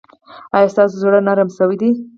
ایا ستاسو زړه نرم شوی دی؟